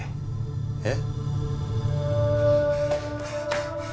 えっ？